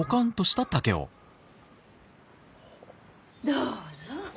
どうぞ。